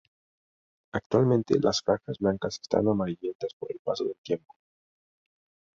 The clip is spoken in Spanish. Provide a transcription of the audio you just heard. Actualmente las franjas blancas están amarillentas por el paso del tiempo.